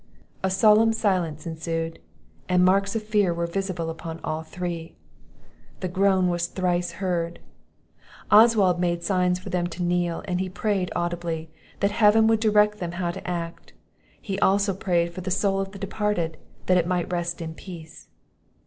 A solemn silence ensued, and marks of fear were visible upon all three; the groan was thrice heard; Oswald made signs for them to kneel, and he prayed audibly, that Heaven would direct them how to act; he also prayed for the soul of the departed, that it might rest in peace.